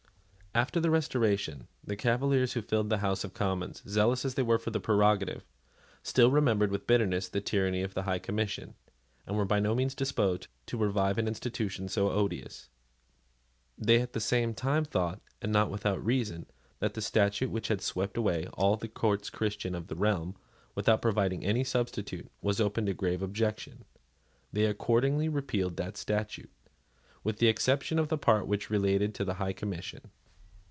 After the Restoration, the Cavaliers who filled the House of Commons, zealous as they were for the prerogative, still remembered with bitterness the tyranny of the High Commission, and were by no means disposed to revive an institution so odious. They at the same time thought, and not without reason, that the statute which had swept away all the courts Christian of the realm, without providing any substitute, was open to grave objection. They accordingly repealed that statute, with the exception of the part which related to the High Commission.